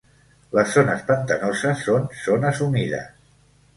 Les zones pantanoses són zones humides.